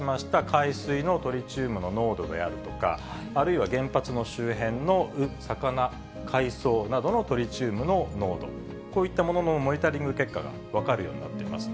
海水のトリチウムの濃度であるとか、あるいは原発の周辺の魚、海藻などのトリチウムの濃度、こういったもののモニタリング結果が分かるようになっています。